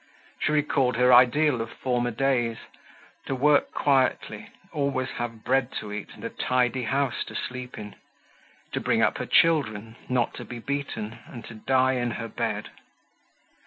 She recalled her ideal of former days: to work quietly, always have bread to eat and a tidy house to sleep in, to bring up her children, not to be beaten and to die in her bed.